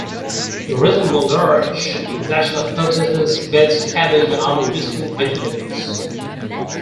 The result was large production of potatoes, beets, cabbage and other useful vegetables.